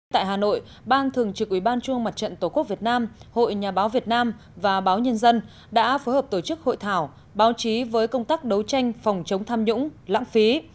tại hà nội ban thường trực ủy ban trung mặt trận tổ quốc việt nam hội nhà báo việt nam và báo nhân dân đã phối hợp tổ chức hội thảo báo chí với công tác đấu tranh phòng chống tham nhũng lãng phí